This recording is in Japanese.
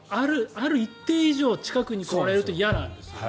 ある一定以上、近くに来られると嫌なんですよ。